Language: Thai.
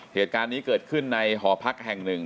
เหตุการณ์นี้เกิดขึ้นในหอพักแห่งหนึ่ง